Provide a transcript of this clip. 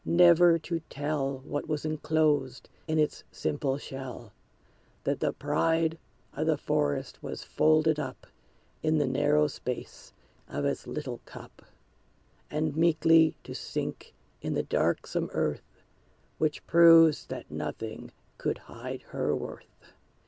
never to tell What was enclosed in its simple shell; That the pride of the forest was folded up In the narrow space of its little cup! And meekly to sink in the darksome earth, Which proves that nothing could hide her worth!